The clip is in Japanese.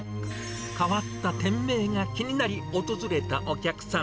変わった店名が気になり、訪れたお客さん。